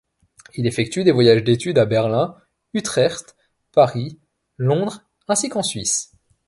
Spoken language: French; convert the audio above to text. Il effectue des voyages d'étude à Berlin, Utrecht, Paris, Londres ainsi qu'en Suisse.